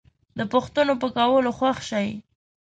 د پوښتنو په کولو خوښ شئ